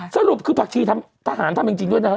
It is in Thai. สรุปคือผักชีทำทหารทำจริงด้วยนะฮะ